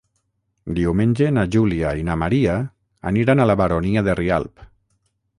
Diumenge na Júlia i na Maria aniran a la Baronia de Rialb.